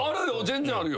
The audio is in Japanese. あるよ。